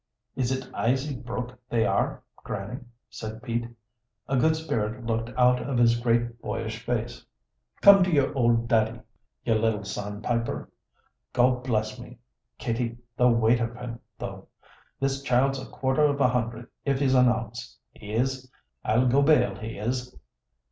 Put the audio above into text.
"Is it aisy broke they are, Grannie?" said Pete. A good spirit looked out of his great boyish face. "Come to your ould daddie, you lil sandpiper. Gough bless me, Kitty, the weight of him, though! This child's a quarter of a hundred, if he's an ounce. He is, I'll go bail he is.